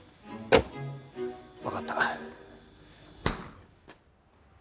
わかった。